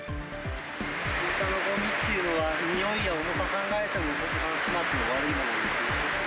スイカのごみっていうのは、においや重さ考えても、一番始末の悪いものですね。